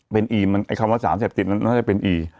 เป็นอีคำว่าสารเสพติดนั้นน่าจะเป็นอี